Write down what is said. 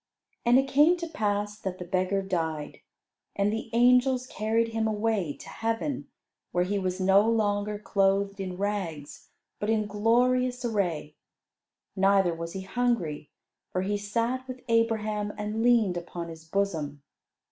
And it came to pass that the beggar died, and the angels carried him away to heaven, where he was no longer clothed in rags, but in glorious array. Neither was he hungry, for he sat with Abraham and leaned upon his bosom.